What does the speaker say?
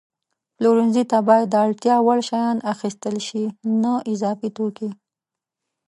پلورنځي ته باید د اړتیا وړ شیان اخیستل شي، نه اضافي توکي.